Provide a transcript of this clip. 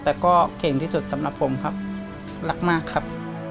แต่ก็เก่งที่สุดสำหรับผมครับรักมากครับ